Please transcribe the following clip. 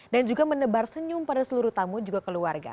dan juga menebar senyum pada seluruh tamu juga keluarga